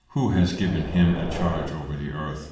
who has given him a Charge over the Earth!